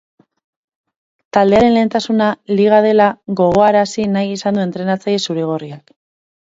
Taldearen lehentasuna liga dela gogoarazi nahi izan du entrenatzaile zuri-gorriak.